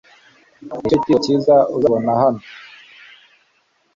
Nicyo giciro cyiza uzabona hano